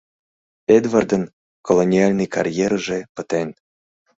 Эдвардын колониальный карьерыже пытен.